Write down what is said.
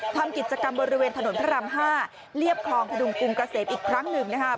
ทำกิจกรรมบนระเวนถนนพระรามห้าเรียบคลองทะลุงกลุ่มเกษตรอีกครั้งหนึ่งนะฮะ